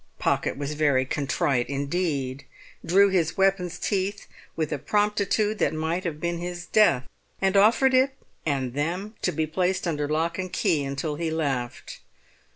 Pocket was very contrite, indeed, drew his weapon's teeth with a promptitude that might have been his death, and offered it and them to be placed under lock and key until he left.